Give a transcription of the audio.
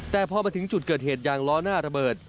แต่พอมาถึงจุดเกิดเหตุยางล้อหน้าระเบิด